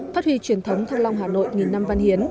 phát huy truyền thống thăng long hà nội nghìn năm văn hiến